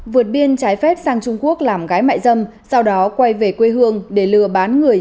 vượt biên trái phép sang trung quốc làm gái mại dâm sau đó quay về quê hương để lừa bán người